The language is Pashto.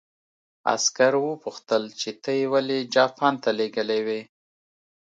عسکر وپوښتل چې ته یې ولې جاپان ته لېږلی وې